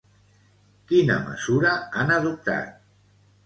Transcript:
Quina mesura han adoptat?